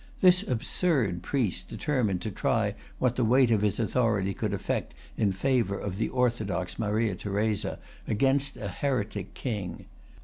This absurd priest determined to try what the weight of his authority could effect in favor of the orthodox Maria Theresa against a heretic king.